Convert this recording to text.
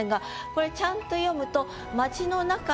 これちゃんと読むと。